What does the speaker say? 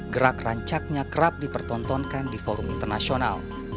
gerak rancaknya kerap dipertontonkan di forum internasional